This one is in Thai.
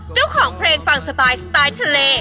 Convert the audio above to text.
เจ้าของเพลงฟังสไตล์สไตล์ทะเล